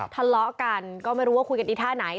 ทะเลาะกันก็ไม่รู้ว่าคุยกันอีท่าไหน